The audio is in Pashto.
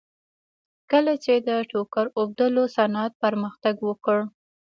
کله چې د ټوکر اوبدلو صنعت پرمختګ وکړ